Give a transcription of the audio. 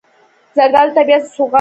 زردالو د طبیعت سوغات دی.